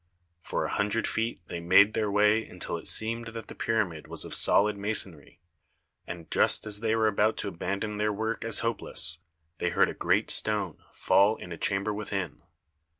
For a hundred feet they made their way until it seemed that the pyramid was of solid masonry, and just as they were about to abandon their work as hope less, they heard a great stone fall in a chamber within.